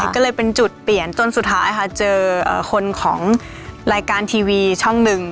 ก็เลยเป็นจุดเปลี่ยนจนสุดท้ายค่ะเจอคนของรายการทีวีช่องหนึ่ง